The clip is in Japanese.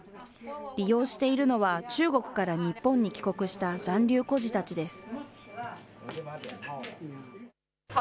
利用しているのは中国から日本に帰国した残留孤児たちです。